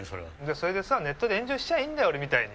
それでさネットで炎上しちゃーいいんだよ俺みたいに！